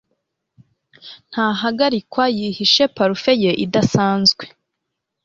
Ntahagarikwa yihishe parufe ye idasanzwe